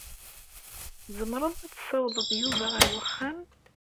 Tzemreḍ ad tsawḍeḍ Yuba ar wexxam?